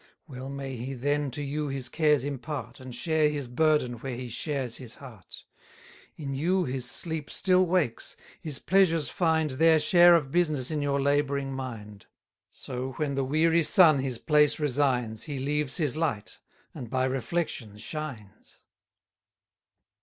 Well may he then to you his cares impart, And share his burden where he shares his heart. In you his sleep still wakes; his pleasures find Their share of business in your labouring mind. So when the weary sun his place resigns, He leaves his light, and by reflection shines.